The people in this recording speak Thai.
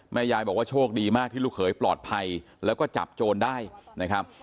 ยายบอกว่าโชคดีมากที่ลูกเขยปลอดภัยแล้วก็จับโจรได้นะครับ